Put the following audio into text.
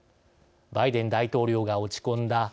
バイデン大統領が落ち込んだ